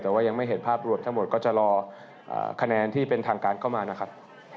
แต่ว่ายังไม่เห็นภาพรวมทั้งหมดก็จะรอคะแนนที่เป็นทางการเข้ามานะครับ